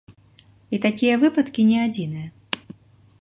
І такія выпадкі не адзіныя!